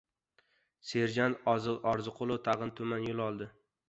Serjant Orziqulov tag‘in tuman yo‘l oldi.